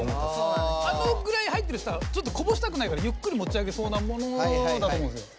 あのぐらい入ってるっていったらちょっとこぼしたくないからゆっくりもち上げそうなものだと思うんですよ。